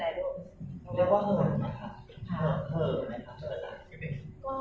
แล้วก็เหิน